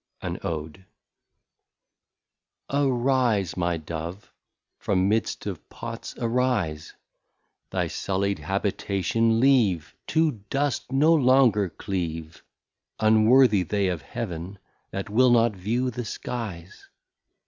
An ODE. Arise my Dove, from mid'st of Pots arise, Thy sully'd Habitation leave, To Dust no longer cleave, Unworthy they of Heaven that will not view the Skies.